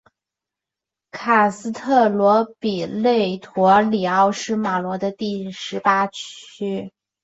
卡斯特罗比勒陀里奥是罗马的第十八区。